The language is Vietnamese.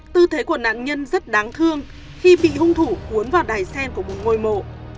tư thế của nạn nhân rất đáng thương khi bị hung thủ cuốn vào đài sen của một ngôi mộ